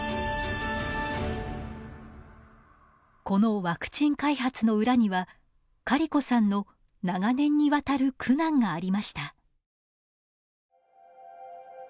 このワクチン開発の裏にはカリコさんの長年にわたる苦難がありました。